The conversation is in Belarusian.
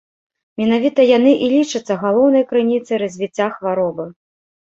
Менавіта яны і лічацца галоўнай крыніцай развіцця хваробы.